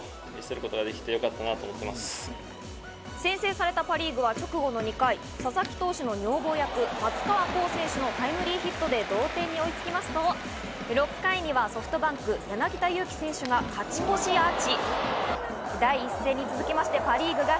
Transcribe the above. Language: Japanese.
先制されたパ・リーグは直後の２回、佐々木投手の女房役・松川虎生選手のタイムリーヒットで同点に追いつきますと、６回にはソフトバンク・柳田悠岐選手が勝ち越しアーチ。